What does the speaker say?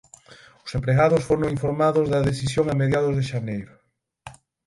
Os empregados foron informados da decisión a mediados de xaneiro.